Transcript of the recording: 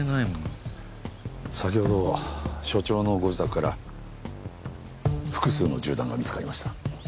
先ほど署長のご自宅から複数の銃弾が見つかりました。